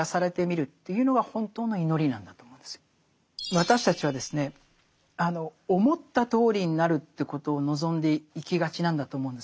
私たちはですね思ったとおりになるということを望んでいきがちなんだと思うんです。